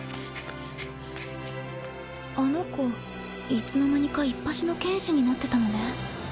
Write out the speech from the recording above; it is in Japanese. あの子いつの間にかいっぱしの剣士になってたのね